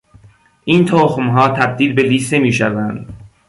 این تخمها تبدیل به لیسه میشوند.